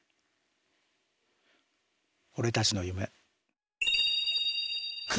俺たちの夢。